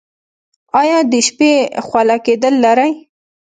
ایا د شپې خوله کیدل لرئ؟